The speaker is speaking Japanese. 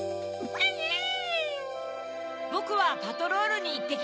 ・・アンアン！